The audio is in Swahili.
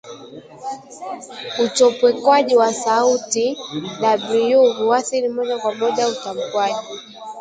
Uchopekwaji wa sauti /w/ huathiri moja kwa moja utamkwaji